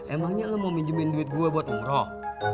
emangnya lo mau minjemin duit gue buat umroh